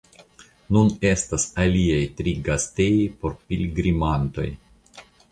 Nun estas aliaj tri gastejoj por pilgrimantoj.